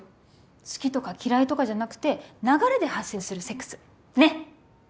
好きとか嫌いとかじゃなくて流れで発生するセックスねえ？